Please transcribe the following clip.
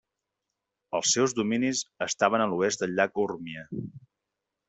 Els seus dominis estaven a l'oest del llac Urmia.